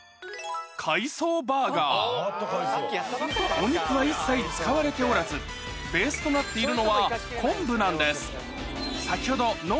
お肉は一切使われておらずベースとなっているのは昆布なんです